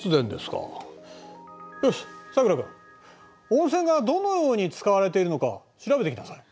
温泉がどのように使われているのか調べてきなさい。